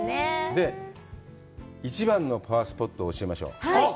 で、一番のパワースポットを教えましょう。